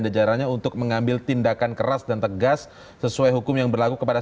jajarannya untuk mengambil tindakan keras dan tegas sesuai hukum yang berlaku kepada